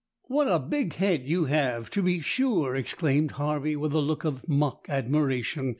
"What a big head you have, to be sure!" exclaimed Harvey, with a look of mock admiration.